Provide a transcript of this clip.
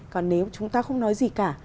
còn nếu chúng ta không nói gì cả